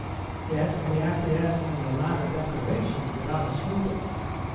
Yet we acquiesce in the latter deprivation without a scruple.